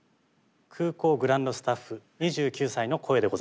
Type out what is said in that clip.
空港グランドスタッフ２９歳の声でございます。